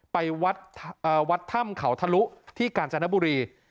ไปวัดถ้ำเขาทะลุที่กาญจนบุรี